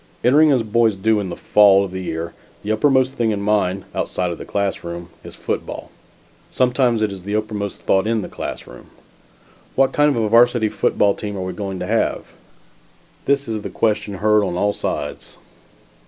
Entering as boys do, in the fall of the year, the uppermost thing in mind, outside of the classroom, is football. Sometimes it is the uppermost thought in the classroom. What kind of a Varsity football team are we going to have? This is the question heard on all sides.